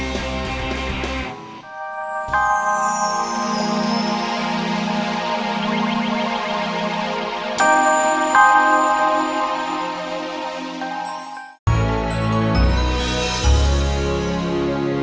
sampai jumpa lagi